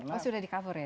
oh sudah di cover ya